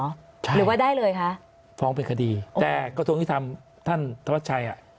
ใช่หรือว่าได้เลยคะฟ้องเป็นคดีแต่กระทรวงยุทธรรมท่านธวัชชัยอ่ะ